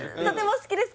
好きです